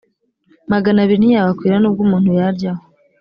magana abiri ntiyabakwira nubwo umuntu yaryaho